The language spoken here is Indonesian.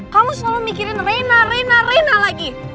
kamu selalu mikirin reina reina reina lagi